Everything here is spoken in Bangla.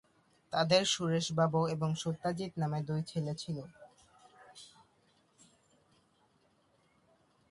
তাঁদের সুরেশ বাবু এবং সত্যজিৎ নামে দুই ছেলে ছিল।